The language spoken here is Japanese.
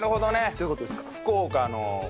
どういう事ですか？